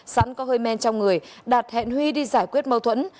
sẵn có hơi men trong người đạt hẹn huy đi giải quyết mâu thuẫn